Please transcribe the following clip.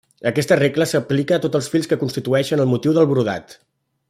Aquesta regla s'aplica a tots els fils que constitueixen el motiu del brodat.